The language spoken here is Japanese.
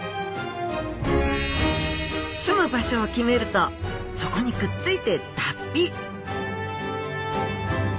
住む場所を決めるとそこにくっついて脱皮！